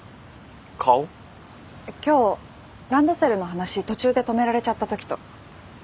今日ランドセルの話途中で止められちゃった時と。